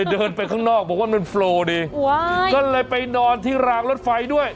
เดินไปข้างนอกบอกว่ามันโฟลดีก็เลยไปนอนที่รางรถไฟด้วย